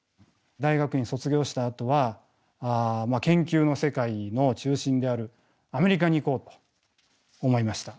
大学院を卒業したあとは研究の世界の中心であるアメリカに行こうと思いました。